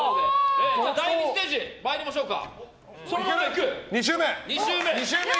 第２ステージ参りましょうか。